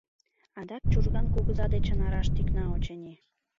Адак Чужган кугыза дечын араш тӱкна, очыни»...